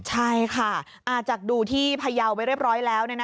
ใช่ค่ะจากดูที่พยาวไปเรียบร้อยแล้ว